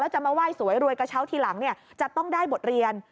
จะมาไหว้สวยรวยกระเช้าทีหลังจะต้องได้บทเรียน